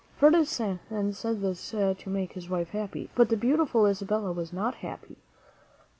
Ferdinand said this to make his wife happy; but the beautiful Isabella was not happy.